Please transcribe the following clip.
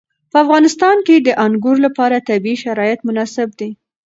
په افغانستان کې د انګورو لپاره طبیعي شرایط مناسب دي.